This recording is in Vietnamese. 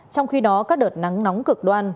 trong khi đó các đợt nắng nóng cực đoan